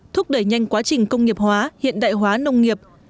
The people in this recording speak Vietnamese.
thúc đẩy nhanh quá trình công nghiệp hóa hiện đại hóa nông nghiệp